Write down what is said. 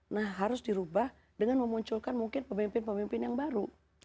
nah harus dirubah dengan memunculkan mungkin pemimpin pemimpin yang baru